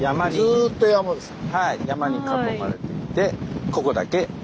ずっと山ですね。